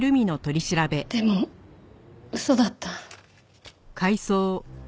でも嘘だった。